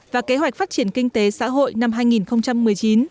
và kế hoạch phát triển kinh tế xã hội năm hai nghìn một mươi chín